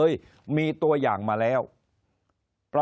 คนในวงการสื่อ๓๐องค์กร